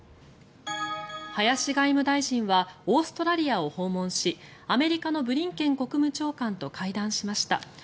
林外務大臣はオーストラリアを訪問しアメリカのブリンケン国務長官と会談しました。